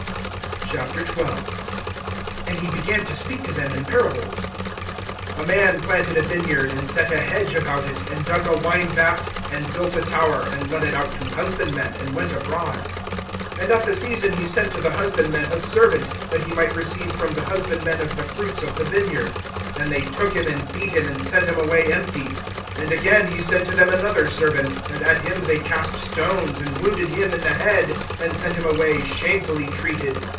XII. AND he began to speak to them in parables. A man planted a vineyard, and set a hedge about it, and dug a wine vat, and built a tower, and let it out to husbandmen, and went abroad. (2)And at the season he sent to the husbandmen a servant, that he might receive from the husbandmen of the fruits of the vineyard. (3)And they took him and beat him, and sent him away empty. (4)And again he sent to them another servant; and at him they cast stones, and wounded him in the head, and sent him away shamefully treated.